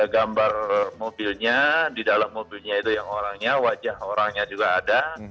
gambar mobilnya di dalam mobilnya itu yang orangnya wajah orangnya juga ada